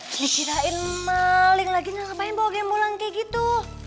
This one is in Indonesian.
dikirain malink lagi kenapa bawa gembolang kayak gitu